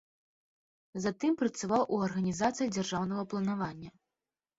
Затым працаваў у арганізацыі дзяржаўнага планавання.